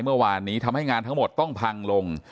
เมื่อวานนี้ทำให้งานทั้งหมดต้องพังลง